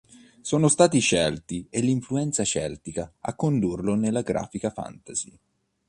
Sono stati i celti e l'influenza celtica a condurlo nella grafica fantasy.